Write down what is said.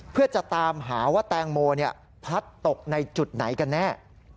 เพื่อจะตามหาว่าแตงโมพลัดตกในจุดไหนกันแน่